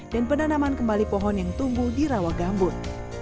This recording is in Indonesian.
dan penanaman kembali pohon yang tumbuh di rawa gambut